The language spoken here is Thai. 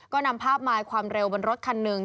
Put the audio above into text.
ก็นำภาพมายความเร็วบนรถคันหนึ่ง